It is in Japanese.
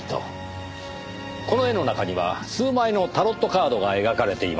この絵の中には数枚のタロットカードが描かれています。